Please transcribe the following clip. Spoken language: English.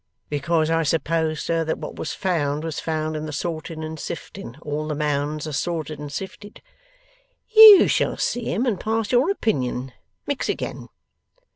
'Because I suppose, sir, that what was found, was found in the sorting and sifting. All the mounds are sorted and sifted?' 'You shall see 'em and pass your opinion. Mix again.